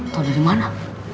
tahu dari mana